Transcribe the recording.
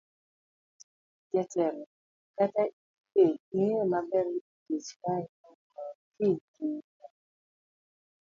Jatelo kata in be ing'eyo maber ni kech kayi kawuono kiny to iyieng'.